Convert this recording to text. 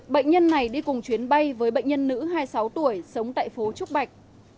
bệnh nhân này đi cùng chuyến bay với bệnh nhân nữ hai mươi sáu tuổi sống tại phố trúc bạch